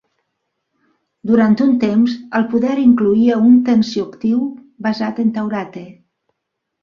Durant un temps, el poder incloïa un tensioactiu basat en taurate.